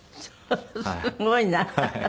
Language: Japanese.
すごいな。